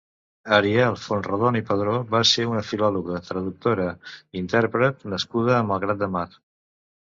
Ariel Fontrodona i Padró va ser una filòloga, traductora, intèrpret nascuda a Malgrat de Mar.